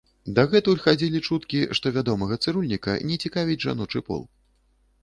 Дагэтуль хадзілі чуткі, што вядомага цырульніка не цікавіць жаночы пол.